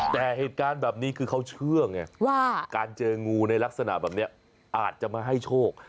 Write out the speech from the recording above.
แต่เหตุการณ์แบบนี้คือเขาเชื่อไงว่าการเจองูในลักษณะแบบนี้อาจจะมาให้โชค